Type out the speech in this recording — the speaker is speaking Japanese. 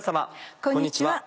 こんにちは。